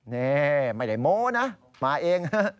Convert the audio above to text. นี่ไม่ได้โม้นะมาเองฮะ